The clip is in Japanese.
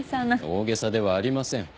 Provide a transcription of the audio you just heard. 大げさではありません。